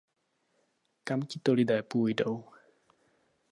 Kam tito lidé půjdou?